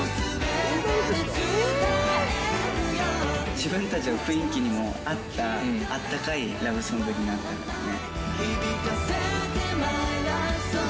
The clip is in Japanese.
自分たちの雰囲気にも合った温かいラブソングになってたね。